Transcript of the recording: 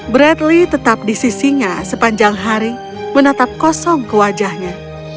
bradley tetap di sisinya sepanjang hari menatap kosong ke wajahnya